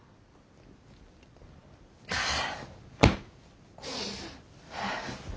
はあ。